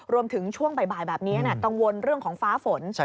ช่วงบ่ายแบบนี้กังวลเรื่องของฟ้าฝน